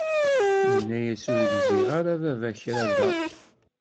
Yenna-as ur gziɣ ara a baba kra da.